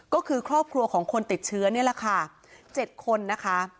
ก็คือครอบครัวของคนติดเชื้อนี่แหละค่ะ๗คนนะคะ